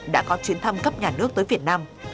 đã có chuyến thăm cấp nhà nước tới việt nam